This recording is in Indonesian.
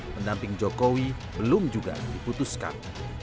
pendamping jokowi belum juga diputuskan